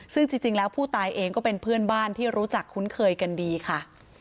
ซึ่งจริงแล้วผู้ตายเองก็เป็นเพื่อนบ้านที่รู้จักคุ้นเคยกันดีค่ะ